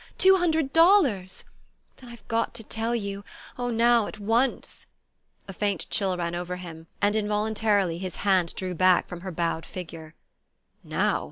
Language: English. Two hundred dollars? Then I've got to tell you oh now, at once!" A faint chill ran over him, and involuntarily his hand drew back from her bowed figure. "Now?